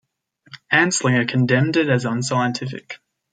Anslinger condemned it as unscientific.